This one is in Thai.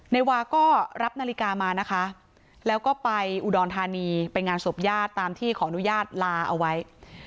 นายวาก็รับนาฬิกามานะคะแล้วก็ไปอุดรธานีไปงานศพญาติตามที่ขออนุญาตลาเอาไว้